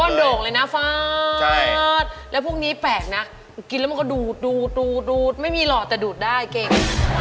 โด่งเลยนะเฟิร์สแล้วพวกนี้แปลกนะกินแล้วมันก็ดูดดูดูไม่มีหล่อแต่ดูดได้เก่ง